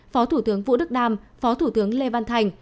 phó thủ tướng vũ đức đam phó thủ tướng lê văn thành